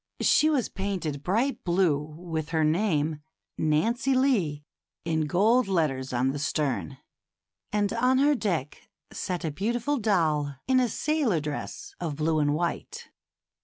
She was painted bright blue, with her name, Nancy Lee," in gold letters on the stern, and on her deck sat a beautiful doll in a sailor dress of blue and white.